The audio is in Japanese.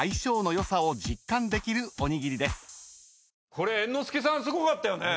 これ猿之助さんすごかったよね。